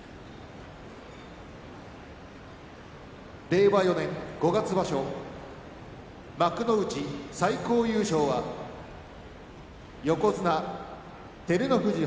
令和４年五月場所幕内最高優勝は横綱照ノ富士